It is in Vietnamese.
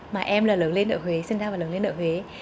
mà em là lớn lên đội huế sinh ra và lớn lên đội huế